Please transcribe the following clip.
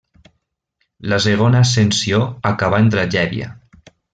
La segona ascensió acabà en tragèdia.